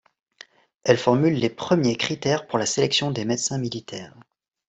Elle formule les premiers critères pour la sélection des médecins militaires.